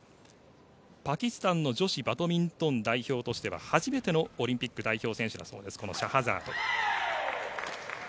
パキスタンの女子バドミントン代表としては初めてのオリンピック代表選手だそうです